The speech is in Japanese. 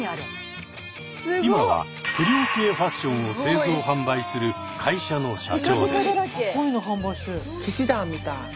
今は「不良系」ファッションを製造・販売する会社の社長です。